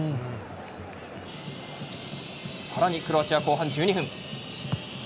さらにクロアチア後半１２分。